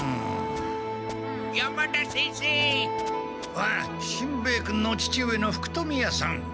ああしんべヱ君の父上の福富屋さん。